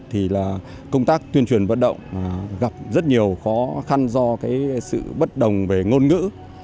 thì là công tác tuyên truyền vận động gặp rất nhiều khó khăn do sự bất đồng về ngôn ngữ